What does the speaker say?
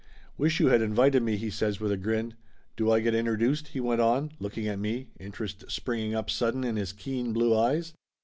"Wish you had invited me!" he says with a grin. "Do I get introduced?" he went on, looking at me, interest springing up sudden in his keen blue eyes.